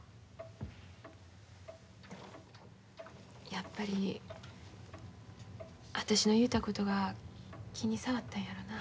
やっぱり私の言うたことが気に障ったんやろな。